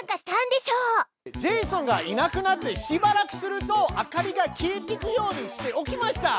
ジェイソンがいなくなってしばらくすると明かりが消えてくようにしておきました！